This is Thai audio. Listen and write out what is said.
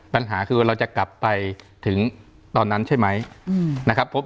ปัญหาคือเราจะกลับไปถึงตอนนั้นใช่ไหมนะครับ